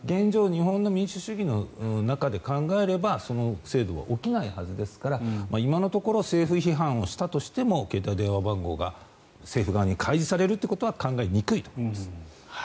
日本の民主主義の中で考えればその制度は起きないはずですから今のところ政府批判をしたとしても携帯電話番号が政府側に開示されるということは考えにくいと思います。